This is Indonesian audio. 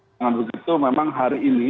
dengan begitu memang hari ini